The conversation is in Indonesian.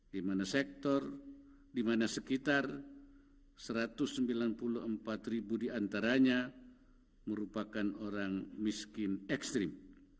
di mana sektor di mana sekitar satu ratus sembilan puluh empat ribu diantaranya merupakan orang miskin ekstrim